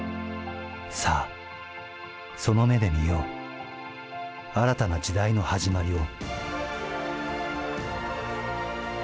さあ、その目で見よう、新たな時代の始まりを。